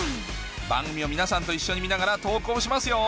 番組を皆さんと一緒に見ながら投稿しますよ！